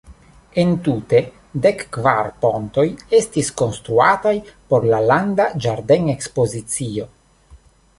Entute dek kvar pontoj estis konstruataj por la Landa Ĝarden-Ekspozicio.